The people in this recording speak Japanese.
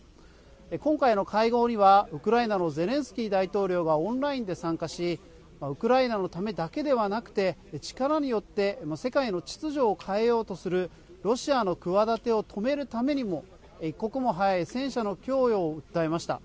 今回の会合にはウクライナのゼレンスキー大統領がオンラインで参加しウクライナのためだけではなくて力によって世界の秩序を変えようとするロシアの企てを止めるためにも一刻も早い戦車の供与を訴えました。